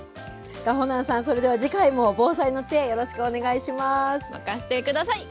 かほなんさん、それでは次回も、防災の知恵、よろしくお願い任せてください。